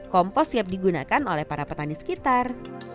kompos siap digunakan oleh para petani sekitar